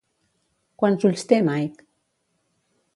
Quants ulls té Mike?